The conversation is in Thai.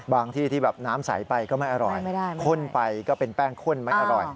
ที่ที่แบบน้ำใสไปก็ไม่อร่อยข้นไปก็เป็นแป้งข้นไม่อร่อย